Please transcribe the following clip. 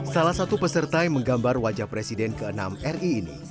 salah satu peserta yang menggambar wajah presiden ke enam ri ini